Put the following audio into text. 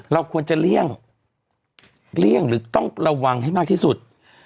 เราควรจะเลี่ยงหรือต้องระวังให้มากที่สุด